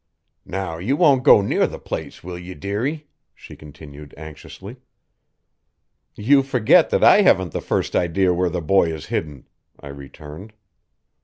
Now you won't go near the place, will ye, dearie?" she continued anxiously. "You forget that I haven't the first idea where the boy is hidden," I returned.